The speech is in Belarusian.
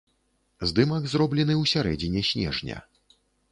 Здымак зроблены ў сярэдзіне снежня.